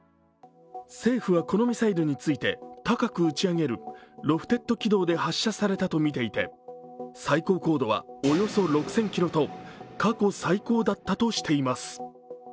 政府はこのミサイルについて高く打ち上げるロフテッド軌道で発射されたとみていて、最高高度はおよそ６０００ｋｍと過去最高だったとしています。